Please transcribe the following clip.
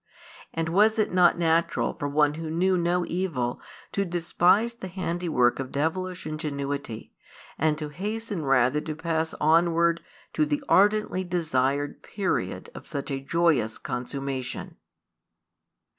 And was it not natural for One Who knew no evil to despise the handiwork of devilish ingenuity, and to hasten rather to pass onward to the ardently desired period of such a joyous consummation?